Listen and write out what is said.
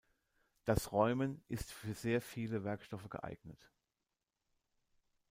Das Räumen ist für sehr viele Werkstoffe geeignet.